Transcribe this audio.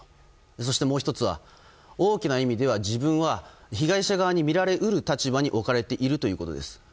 そして、もう１つは大きな意味では自分は被害者側に見られ得る立場に置かれているということです。